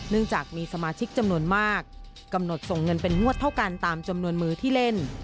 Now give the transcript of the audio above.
จากมีสมาชิกจำนวนมากกำหนดส่งเงินเป็นงวดเท่ากันตามจำนวนมือที่เล่น